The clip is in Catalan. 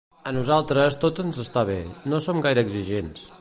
A nosaltres tot ens està bé, no som gaire exigents.